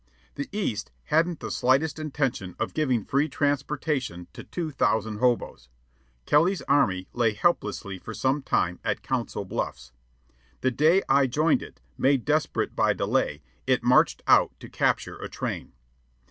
The East hadn't the slightest intention of giving free transportation to two thousand hoboes. Kelly's Army lay helplessly for some time at Council Bluffs. The day I joined it, made desperate by delay, it marched out to capture a train.